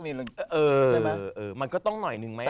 เออมันก็ต้องหน่อยนึงไหมอะ